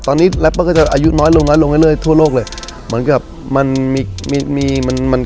ตอนนี้ลูกก็จะอายุน้อยลงน้อยลงได้เรื่อยทั่วโลกเลยเหมือนกับมันมีมีมันมัน